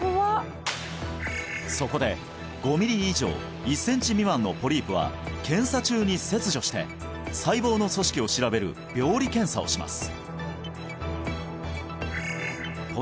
そこで５ミリ以上１センチ未満のポリープは検査中に切除して細胞の組織を調べる病理検査をします